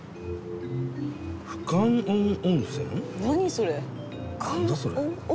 それ